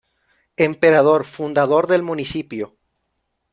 Emperador, fundador del municipio.